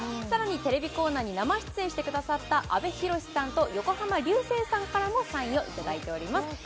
更にテレビコーナーに生出演してくださった阿部寛さんと横浜流星さんからもサインをいただいております。